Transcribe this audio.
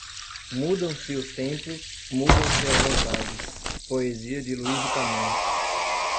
Mudam-se os tempos, mudam-se as vontades. Poesia de Luís de Camões